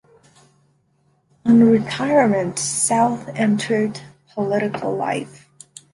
On retirement, South entered political life.